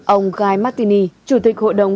ông guy martini chủ tịch hội đồng